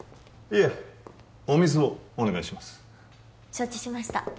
承知しました